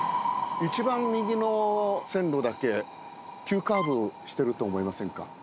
一番右の線路だけ急カーブしてると思いませんか？